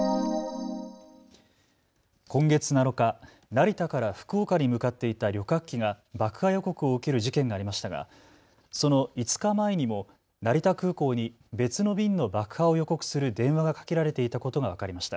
今月７日、成田から福岡に向かっていた旅客機が爆破予告を受ける事件がありましたがその５日前にも成田空港に別の便の爆破を予告する電話がかけられていたことが分かりました。